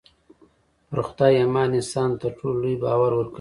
پر خدای ايمان انسان ته تر ټولو لوی باور ورکوي.